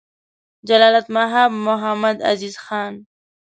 جلالتمآب محمدعزیز خان: